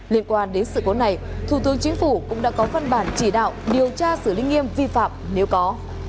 liên quan đến sự cố này thủ tướng chính phủ cũng đã có phân bản chỉ đạo điều tra xử lý nghiêm vi phạm nếu có